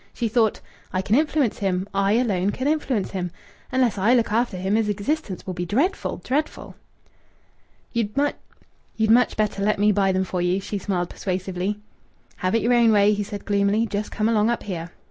She thought: "I can influence him. I alone can influence him. Unless I look after him his existence will be dreadful dreadful." "You'd much better let me buy them for you." She smiled persuasively. "Have it your own way!" he said gloomily. "Just come along up here."